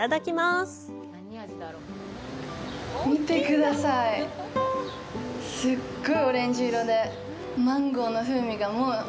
すっごいオレンジ色でマンゴーの風味が、もう。